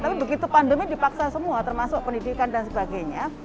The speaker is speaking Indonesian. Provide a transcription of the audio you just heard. tapi begitu pandemi dipaksa semua termasuk pendidikan dan sebagainya